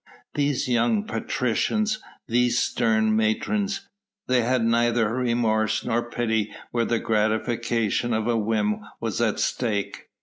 These young patricians, these stern matrons, they had neither remorse nor pity where the gratification of a whim was at stake.